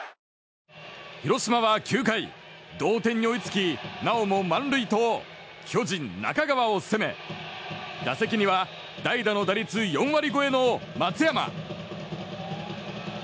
広島は９回同点に追いつきなおも満塁と巨人、中川を攻め打席には代打の打率４割超えの松山。